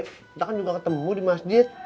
kita kan juga ketemu di masjid